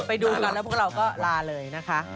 ไปดูก่อนแต่พวกเราก็ลาเริ่มเลย